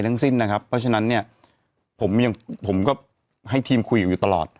สิ้นนะครับเพราะฉะนั้นเนี่ยผมยังผมก็ให้ทีมคุยอยู่ตลอด